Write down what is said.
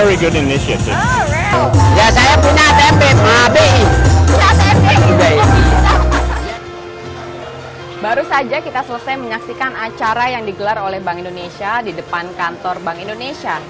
baru saja kita selesai menyaksikan acara yang digelar oleh bank indonesia di depan kantor bank indonesia